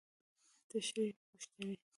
تشريحي پوښتنې: